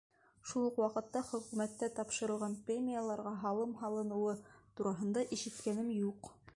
Шул уҡ ваҡытта Хөкүмәттә тапшырылған премияларға һалым һалыныуы тураһында ишеткәнем юҡ.